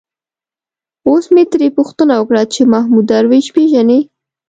اوس مې ترې پوښتنه وکړه چې محمود درویش پېژني.